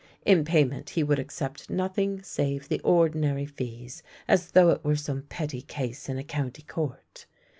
In payment he would accept nothing save the ordinary fees, as though it were some petty case in a county court.